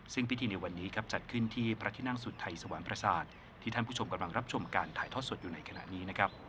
ซึ่งพิธีในวันนี้จัดขึ้นที่พระที่นั่งสุดไทยสวรรค์ประสาทที่ท่านผู้ชมกำลังรับชมการถ่ายทอดสดอยู่ในขณะนี้นะครับ